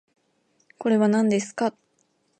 これはなんですか？